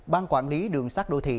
ban quản lý đường sát đô thị